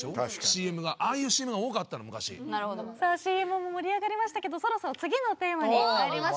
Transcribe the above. さあＣＭも盛り上がりましたけどそろそろ次のテーマに参りましょう。